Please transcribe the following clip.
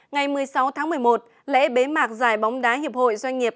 ngày một mươi sáu tháng một mươi một lễ bế mạc giải bóng đá hiệp hội doanh nghiệp